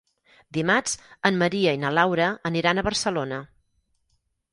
Dimarts en Maria i na Laura aniran a Barcelona.